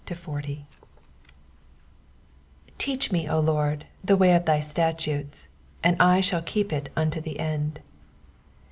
TEACH me, O Lord, the way of thy statutes ; and I shall keep it unto the end.